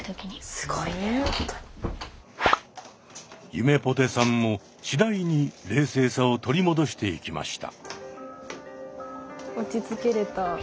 ゆめぽてさんも次第に冷静さを取り戻していきました。